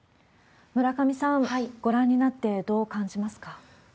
村上さん、ご覧になってどう感じますか？